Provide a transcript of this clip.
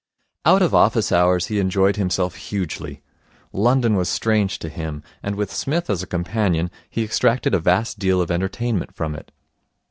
Out of office hours he enjoyed himself hugely. London was strange to him, and with Psmith as a companion, he extracted a vast deal of entertainment from it.